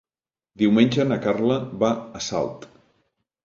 Diumenge na Carla va a Salt.